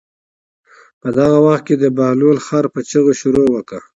په دغه وخت کې د بهلول خر په چغو شروع وکړه.